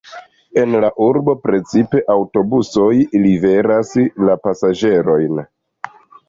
En la urbo precipe aŭtobusoj liveras la pasaĝerojn.